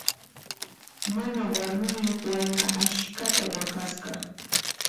Mana warmiyuq wayna askhata waqasqa.